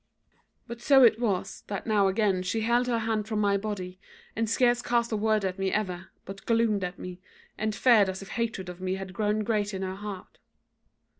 But so it was, that now again she held her hand from my body, and scarce cast a word at me ever, but gloomed at me, and fared as if hatred of me had grown great in her heart.